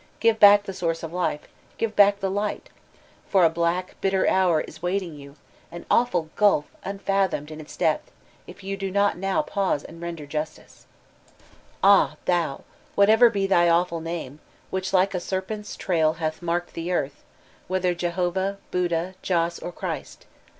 Give back the source of life» give back the light I For a black, bitter hour is waiting you, an awful gulf unfathomed in its depth, if now you do not pause and render justice" Ah, thou, whatever be thy awful name, whidi like a serpent's trail hath marked the earth, whether Jehovah, Buddha, Joss, or Christ